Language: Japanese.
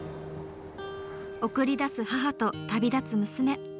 送り出す母と旅立つ娘。